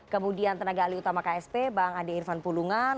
kemudian tenaga ahli utama ksp bang adi irfan pulungan